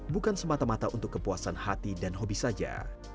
bukan semata mata untuk kepuasan hati dan hobi saja